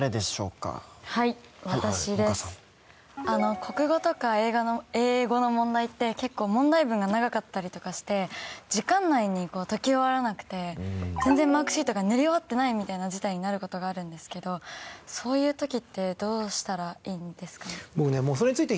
国語とか英語の問題って結構問題文が長かったりとかして時間内に解き終わらなくて全然マークシートが塗り終わってないみたいな事態になる事があるんですけどそういう時ってどうしたらいいんですかね？